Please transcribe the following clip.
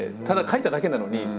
ただ書いただけなのに。